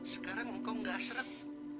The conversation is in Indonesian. sekarang engkau nggak sremp